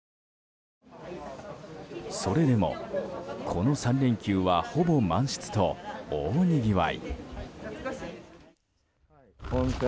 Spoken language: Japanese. それでも、この３連休はほぼ満室と大にぎわい。